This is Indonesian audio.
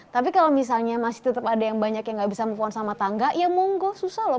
tapi kalo misalnya masih tetep ada yang banyak yang gak bisa move on sama tangga ya monggo susah loh